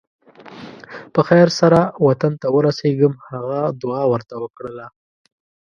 په خیر سره وطن ته ورسېږم هغه دعا ورته وکړله.